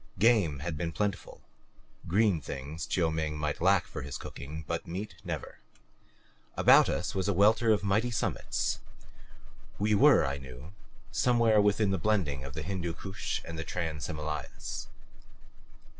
Game had been plentiful green things Chiu Ming might lack for his cooking, but meat never. About us was a welter of mighty summits. We were, I knew, somewhere within the blending of the Hindu Kush with the Trans Himalayas.